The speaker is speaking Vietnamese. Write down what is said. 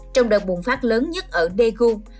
trong đợt bùng phát lớn nhất ở daegu